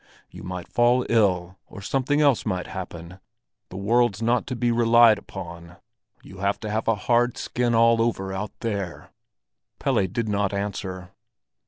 You might fall ill, or something else might happen; the world's not to be relied upon. You have to have a hard skin all over out there." Pelle did not answer.